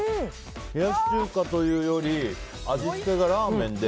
冷やし中華というより味付けがラーメンで。